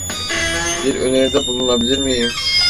Bir öneride bulunabilir miyim?